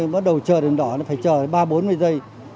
bắt đầu chờ đèn đỏ là phải chờ ba bốn mươi giây